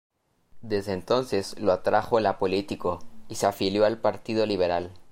Desde entonces lo atrajo la político y se afilió al Partido Liberal.